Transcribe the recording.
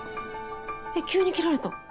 えっ急に切られた。